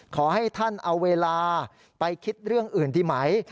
ขอให้ท่านเอาเวลาไปคิดเรื่องอื่นดีไหม